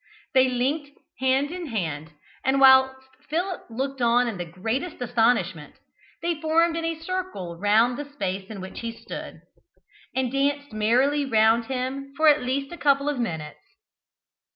They linked hand in hand, and whilst Philip looked on in the greatest astonishment, they formed in a circle round the space in which he stood, and danced merrily round him for at least a couple of minutes.